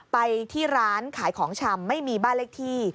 ไปที่ร้านขายของชำไม่มีบ้านเลขที่